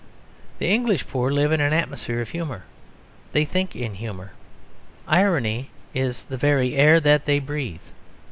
The English poor live in an atmosphere of humour; they think in humour. Irony is the very air that they breathe.